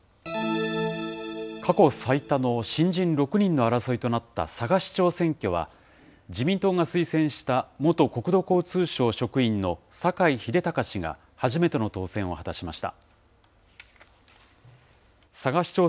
過去最多の新人６人の争いとなった佐賀市長選挙は、自民党が推薦した元国土交通省職員の坂井英隆氏が初めての当選を果たしました。